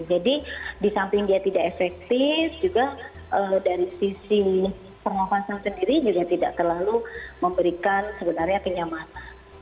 jadi di samping dia tidak efektif juga dari sisi permukaan sendiri juga tidak terlalu memberikan sebenarnya kenyamanan